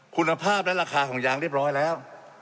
คุณภาพและราคาของยางเรียบร้อยแล้ว